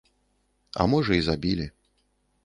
А можа і забілі.